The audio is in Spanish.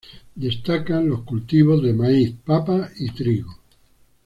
Destacan los cultivos de maíz, papa y trigo.